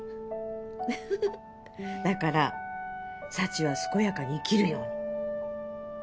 フフフッだから幸は健やかに生きるように。